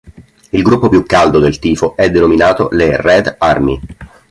Il gruppo più caldo del tifo è denominato le "red army".